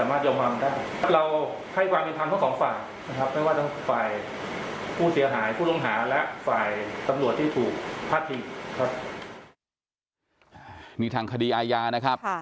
นี่ทางคดีอาญานะครับ